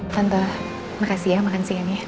tante makasih ya makan siang ya